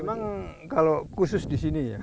memang kalau khusus di sini ya